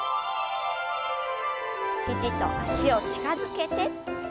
肘と脚を近づけて。